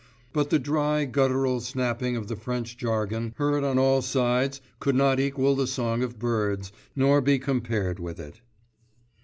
But the dry, guttural snapping of the French jargon, heard on all sides could not equal the song of birds, nor be compared with it.